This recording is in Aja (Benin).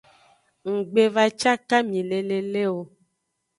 Nggbevacakami le lele o.